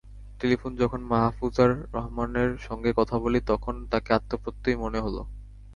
টেলিফোনে যখন মাহাফুজার রহমানের সঙ্গে কথা বলি, তখন তাঁকে আত্মপ্রত্যয়ী মনে হলো।